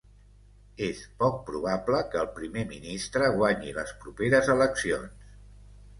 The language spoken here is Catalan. És poc probable que el primer ministre guanyi les properes eleccions.